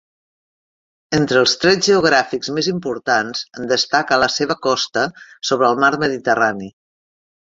Entre els trets geogràfics més importants en destaca la seva costa sobre el mar Mediterrani.